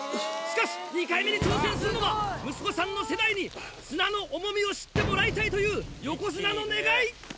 しかし２回目に挑戦するのは息子さんの世代に綱の重みを知ってもらいたいという横綱の願い！